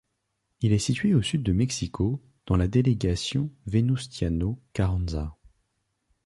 Il est situé au sud de Mexico, dans la délégation Venustiano Carranza.